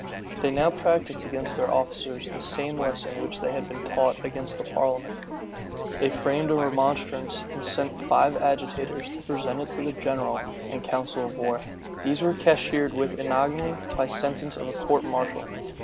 They now practised against their officers the same lesson which they had been taught against the parliament. They framed a remonstrance, and sent five agitators to present it to the general and council of war: these were cashiered with ignominy by sentence of a court martial.